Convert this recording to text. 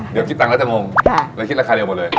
เดี๋ยวคิดตังค์แล้วจะงงเลยคิดราคาเร็วหมดเลย